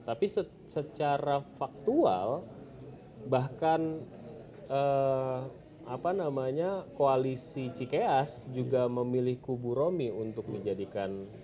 tapi secara faktual bahkan apa namanya koalisi cikeas juga memilih kubu romi untuk menjadikan apa namanya